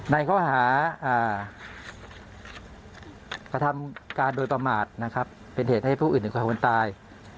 ในข้อหากระทำการโดยประมาทเป็นเหตุให้ผู้อื่นหรือคนตาย